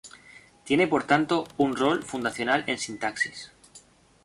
Tiene por tanto un rol fundacional en sintaxis.